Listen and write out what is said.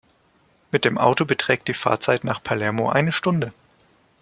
Mit dem Auto beträgt die Fahrzeit nach Palermo eine Stunde.